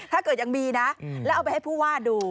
ถ้าเกิดยังมีนะแล้วเอาไปให้ผู้ว่าดู